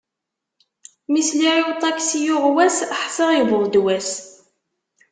Mi sliɣ i uṭaksi yuɣwas, ḥṣiɣ yewweḍ-d wass.